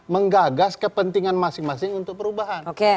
menggagas kepentingan masing masing untuk perubahan